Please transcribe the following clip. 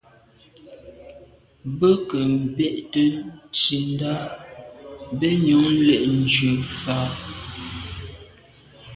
Be ke mbé’te nsindà ben njon lé’njù fa.